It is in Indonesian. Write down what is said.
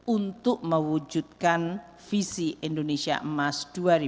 untuk mewujudkan visi indonesia emas dua ribu dua puluh